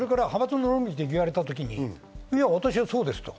派閥の論理と言われた時に、私はそうですと。